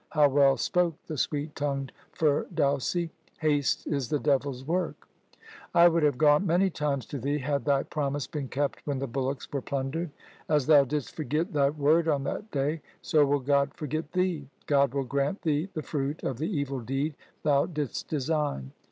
How well spoke the sweet tongued Firdausi, 2 " Haste is the devil's work !" I would have gone many times to thee had thy promise been kept when the bullocks were plundered. As thou didst forget thy word on that day, so will God forget thee. God will grant thee the fruit of the evil deed thou didst design.